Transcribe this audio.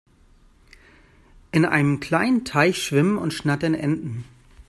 In einem kleinen Teich schwimmen und schnattern Enten.